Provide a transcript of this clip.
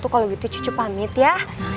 kalau gitu cucu pamit ya